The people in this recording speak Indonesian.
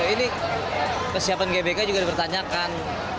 ini kesiapan gbk juga dipertanyakan